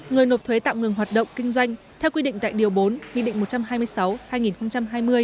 người nộp thuế tạm ngừng hoạt động kinh doanh theo quy định tại điều bốn nghị định một trăm hai mươi sáu hai nghìn hai mươi